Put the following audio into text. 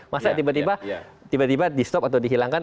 masa tiba tiba di stop atau dihilangkan atau dihentikan